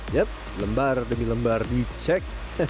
yap lembar demi lembar dicek